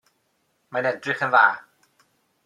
Mae'n edrych yn dda.